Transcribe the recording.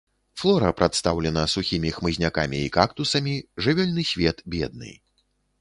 Флора прадстаўлена сухімі хмызнякамі і кактусамі, жывёльны свет бедны.